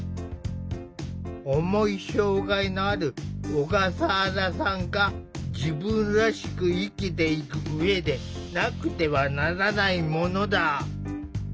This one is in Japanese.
重い障害のある小笠原さんが自分らしく生きていく上でなくてはならないものだ。